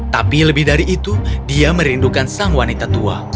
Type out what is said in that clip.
tapi lebih dari itu dia merindukan sang wanita tua